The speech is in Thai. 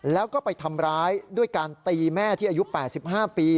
แล้วก็ไปทำร้ายด้วยการตีแม่ที่อายุ๘๕ปี